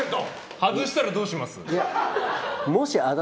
外したらどうします？